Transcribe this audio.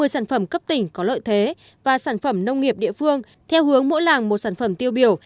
một mươi sản phẩm cấp tỉnh có lợi thế và sản phẩm nông nghiệp địa phương theo hướng mỗi làng một sản phẩm tiêu biểu